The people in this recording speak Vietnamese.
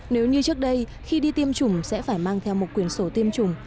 nếu như trước đây khi đi tiêm chủng sẽ phải mang theo một quyển sổ tiêm chủng